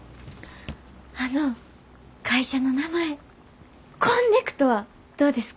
あの会社の名前「こんねくと」はどうですか？